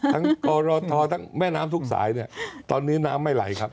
ทั้งกรทแม่น้ำทุกสายตอนนี้น้ำไม่ไหลครับ